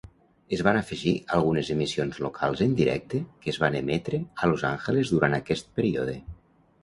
Es van afegir algunes emissions locals en directe que es van emetre a Los Angeles durant aquest període.